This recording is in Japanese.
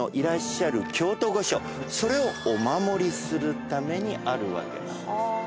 それをお守りするためにあるわけなんです。